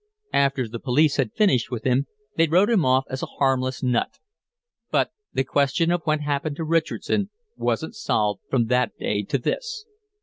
After the police had finished with him, they wrote him off as a harmless nut. But the question of what happened to Richardson wasn't solved from that day to this."